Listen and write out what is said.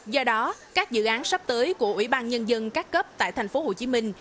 do đó các dự án sắp tới của ủy ban nhân dân các cấp tại thành phố hồ chí minh